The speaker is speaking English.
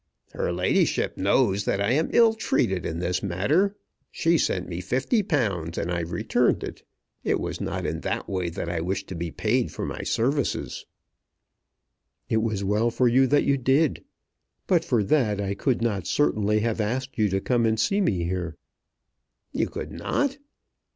"Her ladyship knows that I am ill treated in this matter. She sent me £50 and I returned it. It was not in that way that I wished to be paid for my services." "It was well for you that you did. But for that I could not certainly have asked you to come and see me here." "You could not?"